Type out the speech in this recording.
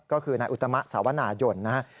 ก็คือนายอุตมะสาวนายนนะครับ